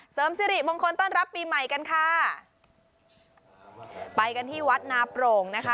เสริมสิริมงคลต้อนรับปีใหม่กันค่ะไปกันที่วัดนาโปร่งนะคะ